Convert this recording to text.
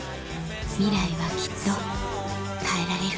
ミライはきっと変えられる